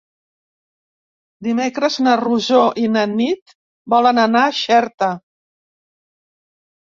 Dimecres na Rosó i na Nit volen anar a Xerta.